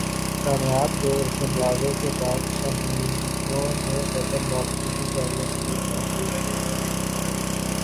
کامیاب دورہ زمبابوے کے بعد شاہینوں نے وطن واپسی کی تیاریاں شروع کردیں